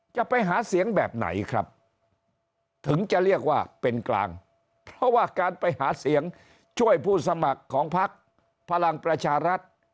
จะไปหาเสียงแบบไหนครับถึงจะเรียกว่าเป็นกลางเพราะว่าการไปหาเสียงช่วยผู้สมัครของพักพลังประชารัฐ